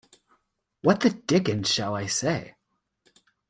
What the dickens shall I say?